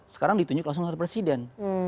sekarang ditunjuk langsung oleh presiden